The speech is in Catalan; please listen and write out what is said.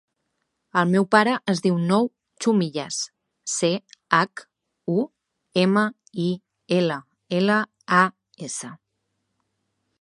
El meu pare es diu Nouh Chumillas: ce, hac, u, ema, i, ela, ela, a, essa.